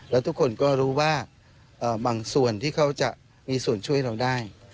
แล้วทุกคนก็รู้ว่าบางส่วนที่เขาจะมีส่วนช่วยเราได้